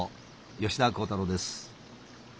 吉田鋼太郎です。